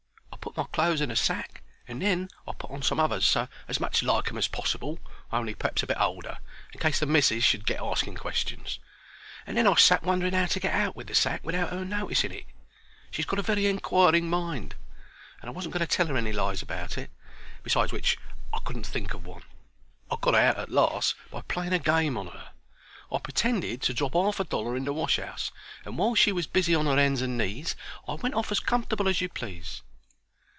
I put my clothes in a sack, and then I put on some others as much like 'em as possible, on'y p'r'aps a bit older, in case the missis should get asking questions; and then I sat wondering 'ow to get out with the sack without 'er noticing it. She's got a very inquiring mind, and I wasn't going to tell her any lies about it. Besides which I couldn't think of one. I got out at last by playing a game on her. I pertended to drop 'arf a dollar in the washus, and while she was busy on 'er hands and knees I went off as comfortable as you please.